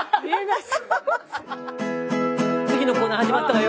次のコーナー始まったわよ。